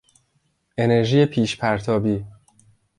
انرژی پیشپرتابی